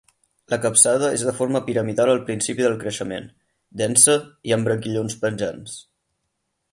La capçada és de forma piramidal al principi del creixement, densa i amb branquillons penjants.